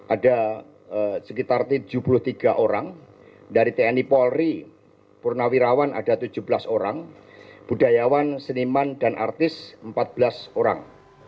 ada sekitar tujuh puluh tiga orang dari tni polri purnawirawan ada tujuh belas orang budayawan seniman dan artis empat belas orang